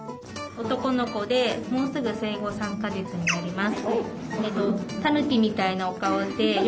男の子でもうすぐ生後３か月になります。